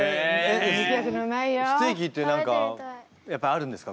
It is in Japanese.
ステーキって何かやっぱりあるんですか？